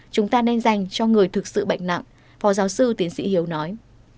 chúng ta nên dành cho người thực sự bệnh nặng phó giáo sư tiến sĩ hiếu nói